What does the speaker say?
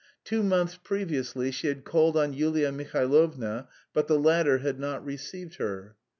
Two months previously she had called on Yulia Mihailovna, but the latter had not received her.